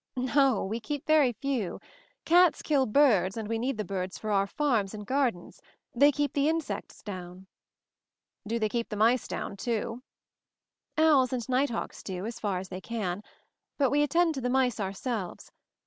"No; we keep very few. Cats kill birds, and we need the birds for our farms and gardens. They keep the insects down." "Do they keep the mice down, too?" "Owls and night hawks do, as far as they can. But we attend to the mice ourselves.